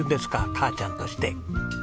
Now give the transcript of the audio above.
母ちゃんとして。